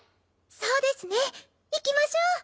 そうですね行きましょう。